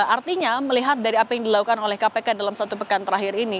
artinya melihat dari apa yang dilakukan oleh kpk dalam satu pekan terakhir ini